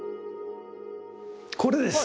これです！